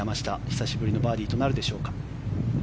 久しぶりのバーディーとなるでしょうか。